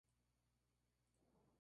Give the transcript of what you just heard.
Al-Afdal huyó en barco.